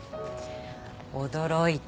驚いた。